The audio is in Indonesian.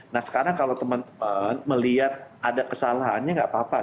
nah sekarang kalau teman teman melihat ada kesalahannya nggak apa apa